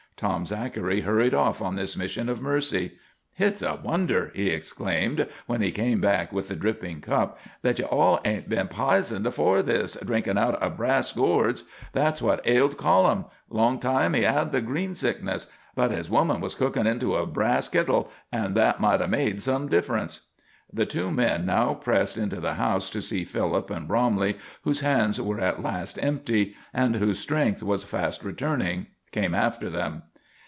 Tom Zachary hurried off on this mission of mercy. "Hit's a wonder," he exclaimed, when he came back with the dripping cup, "that you all ain't been pizoned afore this, drinkin' out o' brass gourds. That's what ailed Colum. Long time he had the greensickness. But his woman was cookin' into a brass kittle, and that might 'a' made some difference." The two men now pressed into the house to see Philip, and Bromley, whose hands were at last empty, and whose strength was fast returning, came after them.